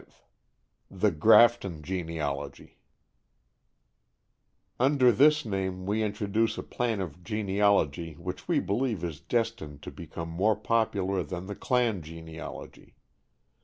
V THE "GRAFTON" GENEALOGY Under this name we introduce a plan of genealogy which we believe is destined to become more popular than the clan genealogy.